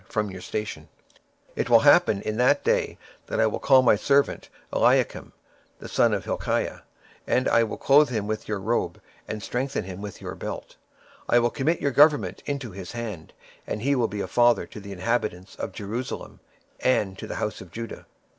23:022:020 And it shall come to pass in that day, that I will call my servant Eliakim the son of Hilkiah: 23:022:021 And I will clothe him with thy robe, and strengthen him with thy girdle, and I will commit thy government into his hand: and he shall be a father to the inhabitants of Jerusalem, and to the house of Judah.